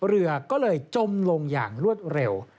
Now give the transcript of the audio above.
เรือก็เลยจมลงอย่างรวดเร็ว